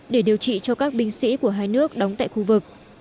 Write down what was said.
để điều trị cho các binh sĩ của hai nước đóng tại khu vực